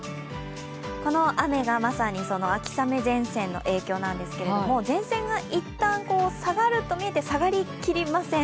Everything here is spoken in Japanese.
この雨がまさにその秋雨前線の影響なんですけれども前線がいったん下がると見えて、下がり切りません。